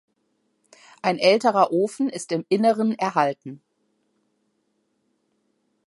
Ein älterer Ofen ist im Inneren erhalten.